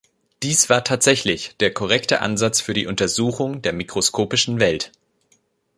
Dies war tatsächlich der korrekte Ansatz für die Untersuchung der mikroskopischen Welt.